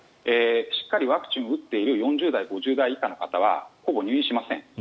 しっかりワクチンを打っている４０代、５０代以下の方はほぼ入院しません。